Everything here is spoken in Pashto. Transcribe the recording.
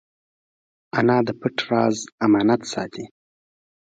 انا د پټ راز امانت ساتي